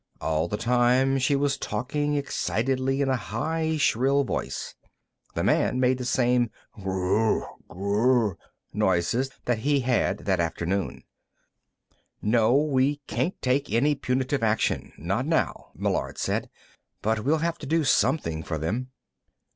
All the time, she was talking excitedly, in a high, shrill voice. The man made the same ghroogh ghroogh noises that he had that afternoon. "No; we can't take any punitive action. Not now," Meillard said. "But we'll have to do something for them."